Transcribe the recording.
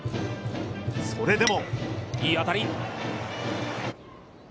それでもいい当たり。